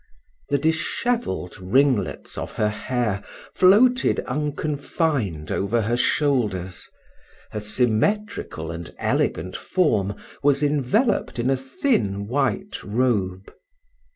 The dishevelled ringlets of her hair floated unconfined over her shoulders: her symmetrical and elegant form was enveloped in a thin white robe.